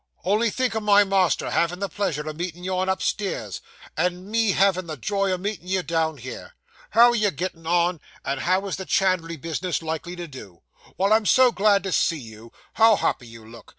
'Only think o' my master havin' the pleasure o' meeting yourn upstairs, and me havin' the joy o' meetin' you down here. How are you gettin' on, and how is the chandlery bis'ness likely to do? Well, I am so glad to see you. How happy you look.